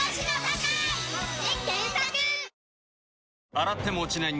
洗っても落ちない